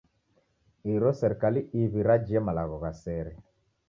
Iro serikali iw'i rajie malagho gha sere.